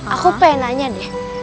aku pengen nanya deh